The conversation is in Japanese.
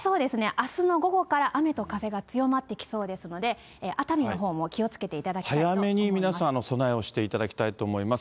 あすの午後から雨と風が強まってきそうですので、熱海のほうも気をつけていただきたいと思います。